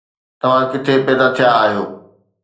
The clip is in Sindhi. توهان ڪٿي پيدا ٿيا آهيو